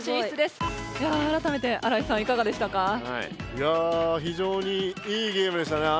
いやひじょうにいいゲームでしたね。